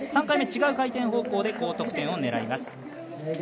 ３回目、違う回転方向で高得点を狙います。